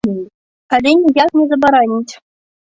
Але ніяк не забараняць.